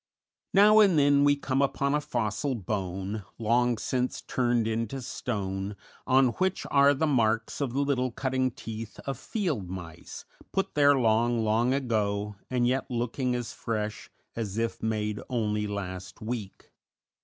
Now and then we come upon a fossil bone, long since turned into stone, on which are the marks of the little cutting teeth of field mice, put there long, long ago, and yet looking as fresh as if made only last week.